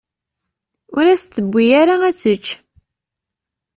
Ur as-d-tewwi ara ad tečč.